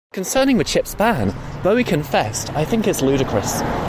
Concerning the clip's ban, Bowie confessed, I think it's ludicrous.